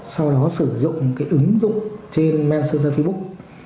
sau đó sử dụng cái ứng dụng trên messe facebook